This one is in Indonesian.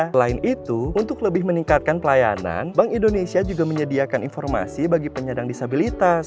selain itu untuk lebih meningkatkan pelayanan bank indonesia juga menyediakan informasi bagi penyandang disabilitas